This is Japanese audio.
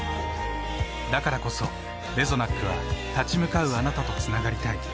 だからこそレゾナックは立ち向かうあなたとつながりたい。